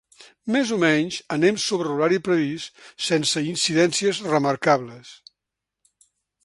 Més o menys, anem sobre l'horari previst sense incidències remarcables.